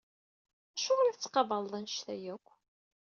Acuɣer i tettqabaḥeḍ anect-a akk?